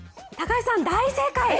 高橋さん、大正解。